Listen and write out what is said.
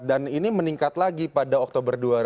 dan ini meningkat lagi pada oktober